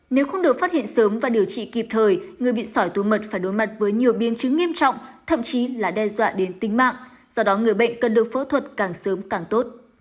nếu không được phát hiện sớm và điều trị kịp thời người bị sỏi túi mật phải đối mặt với nhiều biến chứng nghiêm trọng thậm chí là đe dọa đến tính mạng do đó người bệnh cần được phẫu thuật càng sớm càng tốt